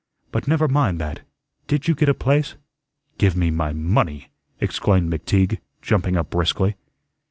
But never mind that. Did you get a place?" "Give me my money," exclaimed McTeague, jumping up briskly.